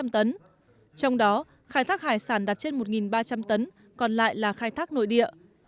trong đó khai thác hải sản đạt trên một ba trăm linh tấn còn lại là khai thác nội địa